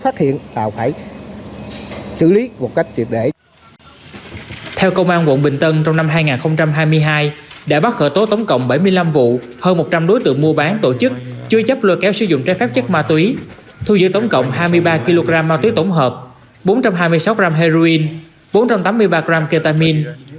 theo công an quận bình tân trong năm hai nghìn hai mươi hai đã bắt khởi tố tổng cộng bảy mươi năm vụ hơn một trăm linh đối tượng mua bán tổ chức chưa chấp luật kéo sử dụng trái phép chất ma túy thu dưới tổng cộng hai mươi ba kg ma túy tổng hợp bốn trăm hai mươi sáu g heroin bốn trăm tám mươi ba g ketamine